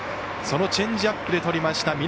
そのチェンジアップでとりました。